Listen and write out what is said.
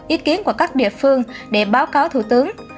ý kiến của các địa phương để báo cáo thủ tướng